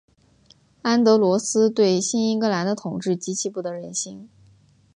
安德罗斯对新英格兰的统治极其不得人心。